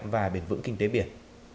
và bền vững kinh tế biển